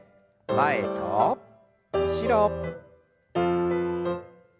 前と後ろ。